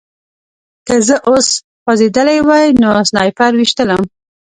که زه اوس خوځېدلی وای نو سنایپر ویشتلم